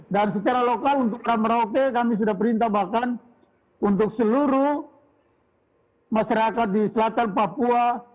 dan secara lokal untuk merauke kami sudah perintah bahkan untuk seluruh masyarakat di selatan papua